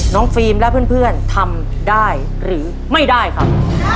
ฟิล์มและเพื่อนทำได้หรือไม่ได้ครับ